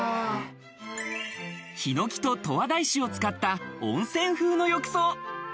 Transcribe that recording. ヒノキと十和田石を使った温泉風の浴槽。